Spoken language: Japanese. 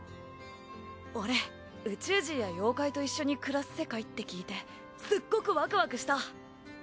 俺宇宙人や妖怪と一緒に暮らす世界って聞いてすっごくワクワクした。